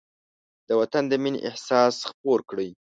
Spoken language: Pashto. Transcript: د وطن د مینې احساس خپور کړئ.